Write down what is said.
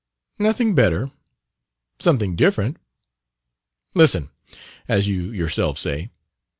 "Nothing better. Something different. Listen, as you yourself say.